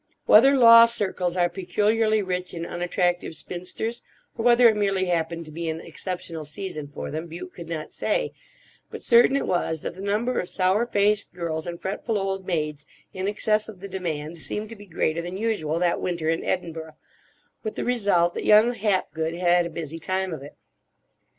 Whether law circles are peculiarly rich in unattractive spinsters, or whether it merely happened to be an exceptional season for them, Bute could not say; but certain it was that the number of sour faced girls and fretful old maids in excess of the demand seemed to be greater than usual that winter in Edinburgh, with the result that young Hapgood had a busy time of it.